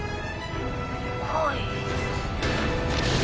はい。